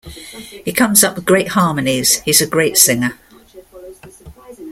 He comes up with great harmonies, he's a great singer.